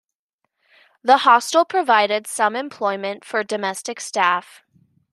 The hostel provided some employment for domestic staff.